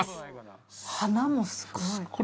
鼻もすごい。